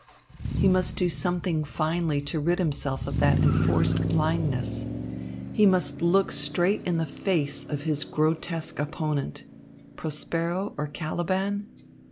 He must do something finally to rid himself of that enforced blindness. He must look straight in the face of his grotesque opponent Prospero or Caliban?